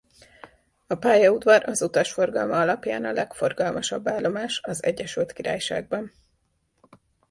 A pályaudvar az utasforgalma alapján a legforgalmasabb állomás az Egyesült Királyságban.